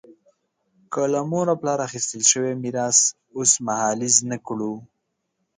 که له مور او پلار اخیستل شوی میراث اوسمهالیز نه کړو.